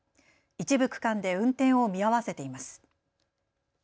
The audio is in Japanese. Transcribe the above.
一部区間で運転を見合わせています。